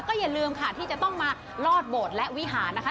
อย่าลืมค่ะที่จะต้องมาลอดโบสถ์และวิหารนะคะ